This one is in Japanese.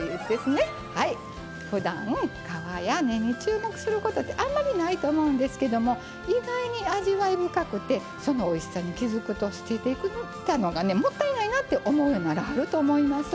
ふだん皮や根に注目することってあんまりないと思うんですけども意外に味わい深くてそのおいしさに気付くと捨ててきたのがねもったいないなって思うようにならはると思います。